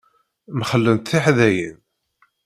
Mxellent teḥdayin.